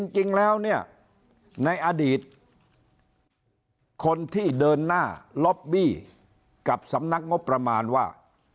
จริงแล้วเนี่ยในอดีตคนที่เดินหน้าล็อบบี้กับสำนักงบประมาณว่า